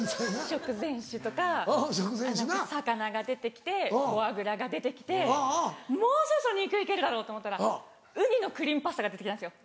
食前酒とかあと何か魚が出て来てフォアグラが出て来てもうそろそろ肉行けるだろうと思ったらウニのクリームパスタが出て来たんですよ